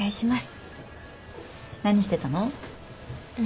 何してたの？